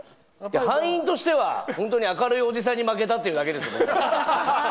敗因としては、本当に明るいおじさんに負けたってだけですよ。